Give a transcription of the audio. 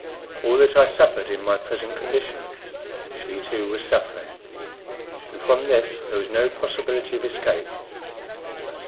All that I suffered in my present condition she too was suffering and from this there was no possibility of escape.